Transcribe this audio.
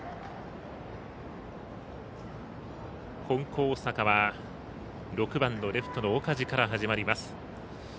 大阪は、６番のレフトの岡治から始まります。